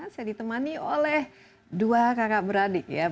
saya ditemani oleh dua kakak beradik ya